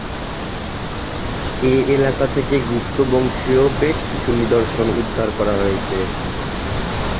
এ এলাকা থেকে গুপ্ত বংশীয় বেশ কিছু নিদর্শন উদ্ধার করা হয়েছে।